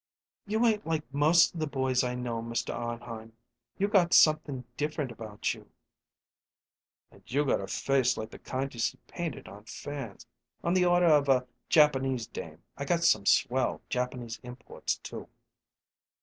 "You ain't like most of the boys I know, Mr. Arnheim. You got something different about you." "And you got a face like the kind you see painted on fans on the order of a Japanese dame. I got some swell Japanese imports, too."